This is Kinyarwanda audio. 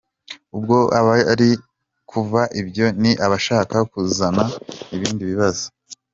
Ubwo abari kuvuga ibyo ni abashaka kuzana ibindi bibazo.